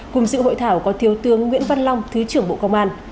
cùng sự hội thảo có thiếu tướng nguyễn văn long thứ trưởng bộ công an